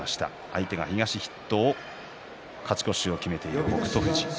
相手は東の筆頭勝ち越しを決めている北勝富士。